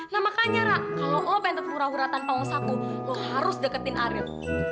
nah makanya rah kalo lo pengen terlurah lurah tanpa ngosaku lo harus deketin ariel